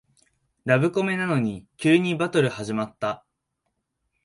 ラブコメなのに急にバトル始まった